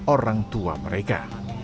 orang tua mereka